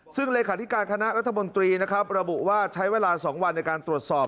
ซึ่งเลขาธิการคณะรัฐมนตรีนะครับระบุว่าใช้เวลา๒วันในการตรวจสอบ